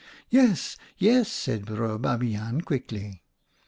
"' Yes, yes,' said Broer Babiaan quickly.